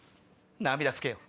涙拭けよ。